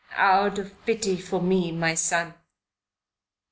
"Out of pity for me, my son."